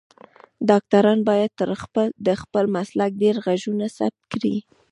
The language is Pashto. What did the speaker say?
ډاکټران باید د خپل مسلک ډیر غږونه ثبت کړی